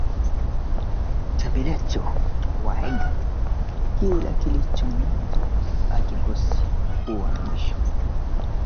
Siku ya pili baada ya kupumzika nilianza safari kuelekea Ngarambe